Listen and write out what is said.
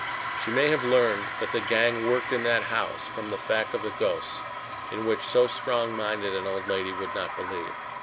She may have learned that the gang worked in that house from the fact of the ghosts, in which so strongminded an old lady would not believe.